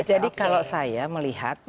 jadi kalau saya melihat